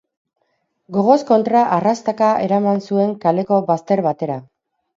Gogoz kontra arrastaka eraman zuen kaleko bazter batera.